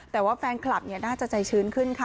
แต่ว่าแฟนคลับน่าจะใจชื้นขึ้นค่ะ